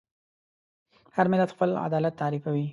هر ملت خپل عدالت تعریفوي.